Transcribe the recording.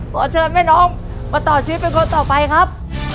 ขอเชิญแม่น้องมาต่อชีวิตเป็นคนต่อไปครับ